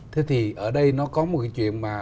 thế thì ở đây nó có một cái chuyện mà